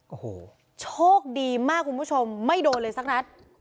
โอ้โหโชคดีมากคุณผู้ชมไม่โดนเลยสักนัด